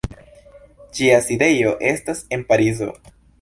Ĝia sidejo estas en Parizo.